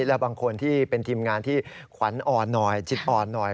แล้วบางคนที่เป็นทีมงานที่ขวัญอ่อนหน่อยจิตอ่อนหน่อย